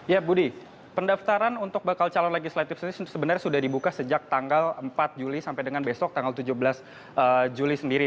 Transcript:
ya budi pendaftaran untuk bakal calon legislatif sendiri sebenarnya sudah dibuka sejak tanggal empat juli sampai dengan besok tanggal tujuh belas juli sendiri